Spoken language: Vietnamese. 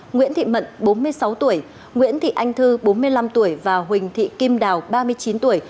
nguyễn thị mận bốn mươi sáu tuổi nguyễn thị anh thư bốn mươi năm tuổi và huỳnh thị kim đào ba mươi chín tuổi